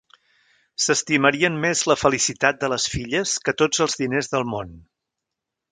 S'estimarien més la felicitat de les filles que tots els diners del món.